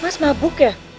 mas mabuk ya